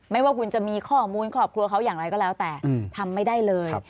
ไม่ว่าคุณจะมีข้อมูลครอบครัวเขาอย่างไรก็แล้วแต่ทำไม่ได้เลย